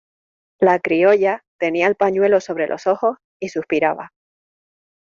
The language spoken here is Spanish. la criolla tenía el pañuelo sobre los ojos y suspiraba.